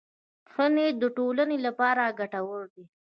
ښه نیت د ټولنې لپاره ګټور دی.